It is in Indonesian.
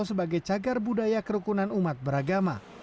sebagai cagar budaya kerukunan umat beragama